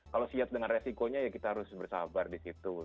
kalau siap dengan resikonya ya kita harus bersabar di situ